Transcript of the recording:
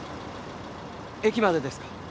駅までですか？